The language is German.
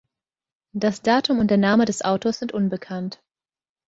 Das Datum und der Name des Autors sind unbekannt.